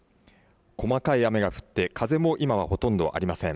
細かい雨が降って風も今はほとんどありません。